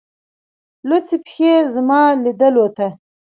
لڅي پښې زما لیدولو ته